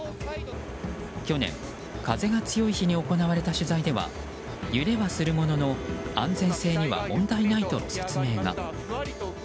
去年、風が強い日に行われた取材では揺れはするものの安全性には問題ないとの説明が。